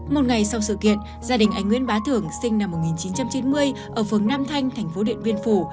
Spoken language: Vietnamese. một ngày sau sự kiện gia đình anh nguyên bá thượng sinh năm một nghìn chín trăm chín mươi ở phường nam thanh thành phố điện biên phủ